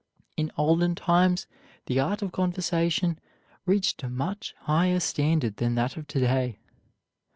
In olden times the art of conversation reached a much higher standard than that of to day.